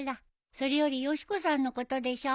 それよりよし子さんのことでしょ。